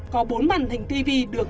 có bốn màn hình tv được